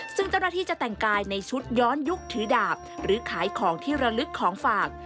ซึ่งเจ้าหน้าที่จะแต่งกายในชุดย้อนยุคถือดาบหรือขายของที่ระลึกของฝาก